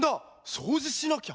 そうじしなきゃ！